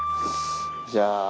じゃあ。